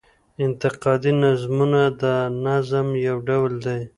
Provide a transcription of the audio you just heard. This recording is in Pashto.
انتقادي نظمونه د نظم يو ډول دﺉ.